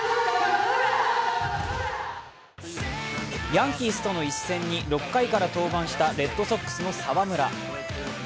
ヤンキースとの一戦に６回から当番したレッドソックスの澤村。